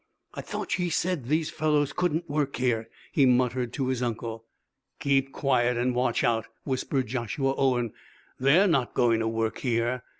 "I thought ye said those fellers couldn't work here," he muttered to his uncle. "Keep quiet and watch out," whispered Joshua Owen. "They're not going to work here.